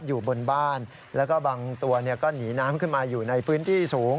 อยู่บนบ้านแล้วก็บางตัวก็หนีน้ำขึ้นมาอยู่ในพื้นที่สูง